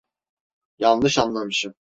Yanlış anlamışım.